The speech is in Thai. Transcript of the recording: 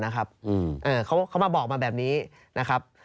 เขามาบอกมาแบบนี้นะครับ